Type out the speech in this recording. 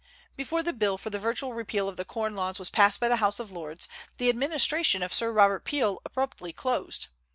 Before the bill for the virtual repeal of the corn laws was passed by the House of Lords, the administration of Sir Robert Peel abruptly closed.